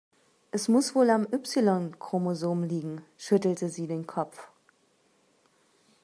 Es muss wohl am Y-Chromosom liegen, schüttelte sie den Kopf.